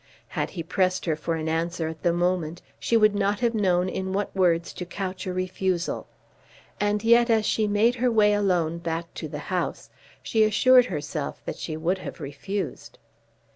Had he pressed her for an answer at the moment she would not have known in what words to couch a refusal. And yet as she made her way alone back to the house she assured herself that she would have refused.